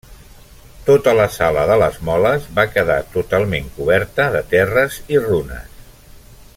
Tota la sala de les moles va quedar totalment coberta de terres i runes.